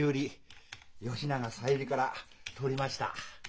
吉永小百合からとりました。